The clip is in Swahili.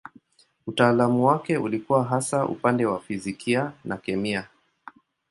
Utaalamu wake ulikuwa hasa upande wa fizikia na kemia.